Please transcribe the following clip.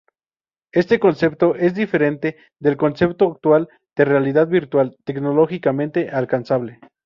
Este concepto es diferente del concepto actual de realidad virtual, tecnológicamente alcanzable.